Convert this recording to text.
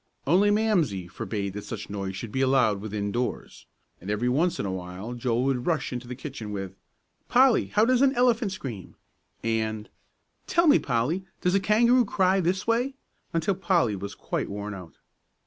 Only Mamsie forbade that such noise should be allowed within doors. And every once in a while Joel would rush into the kitchen, with "Polly, how does an elephant scream?" and "Tell me, Polly, does a kangaroo cry this way?" until Polly was quite worn out.